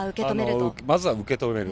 まずは受け止める。